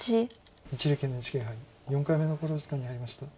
一力ＮＨＫ杯４回目の考慮時間に入りました。